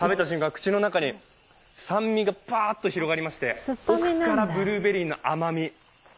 口の中に酸味がふわと広がりまして、奥からブルーベリーの甘み。